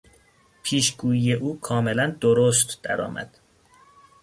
پیشگویی او کاملا درست درآمد!